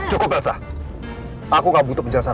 cukup elsa aku gak butuh menjelaskan